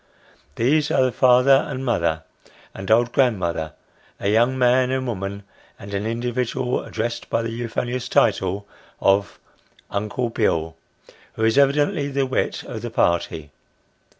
These are the father and mother, and old grandmother : a young man and woman, and an individual addressed by the euphonious title of " Uncle Bill," who is evidently the wit of the party.